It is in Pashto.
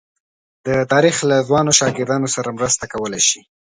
د تاریخ له ځوانو شاګردانو سره مرسته کولای شي.